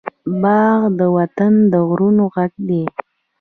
باد د وطن د غرونو غږ دی